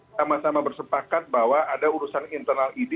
sama sama bersepakat bahwa ada urusan internal idi